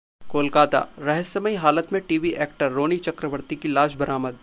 कोलकाता: रहस्यमयी हालत में टीवी एक्टर रोनी चक्रवर्ती की लाश बरामद